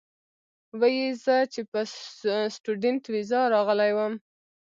وې ئې زۀ چې پۀ سټوډنټ ويزا راغلی ووم